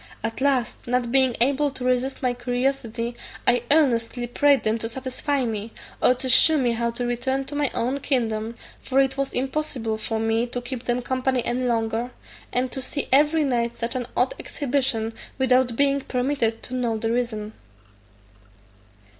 At last, not being able to resist my curiosity, I earnestly prayed them to satisfy me, or to shew me how to return to my own kingdom; for it was impossible for me to keep them company any longer, and to see every night such an odd exhibition, without being permitted to know the reason.